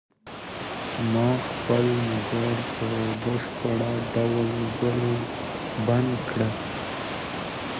ما خپل موبايل په بشپړ ډول بند کړ.